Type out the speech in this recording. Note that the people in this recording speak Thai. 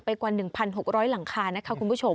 กว่า๑๖๐๐หลังคานะคะคุณผู้ชม